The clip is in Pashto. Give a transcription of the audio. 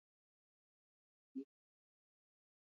کلي د افغانستان د دوامداره پرمختګ لپاره اړین دي.